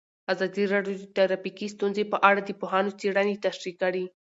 ازادي راډیو د ټرافیکي ستونزې په اړه د پوهانو څېړنې تشریح کړې.